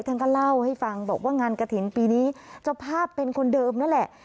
ท่านก็เล่าให้ฟังบอกว่างานกระถิ่นปีนี้เจ้าภาพเป็นคนเดิมนั่นแหละ